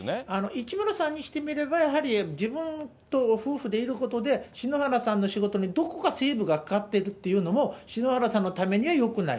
市村さんにしてみれば、やはり自分と夫婦でいることで、篠原さんの仕事にどこかセーブがかかっているっていうのも、篠原さんのためにはよくない。